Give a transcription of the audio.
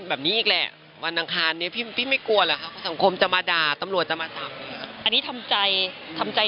คือก็มีผู้หลักผู้ใหญ่โทรมาคุย